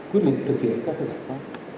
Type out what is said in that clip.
quyết định thực hiện các cái giải pháp